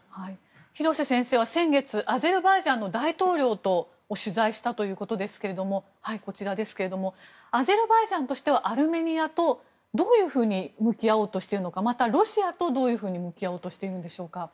廣瀬先生は先月アゼルバイジャンの大統領を取材したということですがアゼルバイジャンとしてはアルメニアとどういうふうに向き合おうとしているのかまたロシアとどういうふうに向き合おうとしているんでしょうか。